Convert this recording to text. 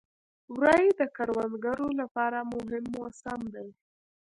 وری د کروندګرو لپاره مهم موسم دی.